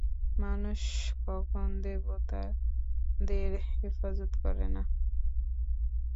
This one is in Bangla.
মানুষ কখনও দেবতাদের হেফাজত করে না।